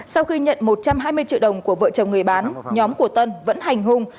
sau khi nhận một trăm hai mươi triệu đồng của vợ chồng người bán nhóm của tân vẫn hành hung